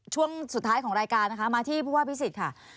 ช่วงสุดท้ายของรายการนะคะมาที่ผู้ว่าพิสิทธิ์ค่ะ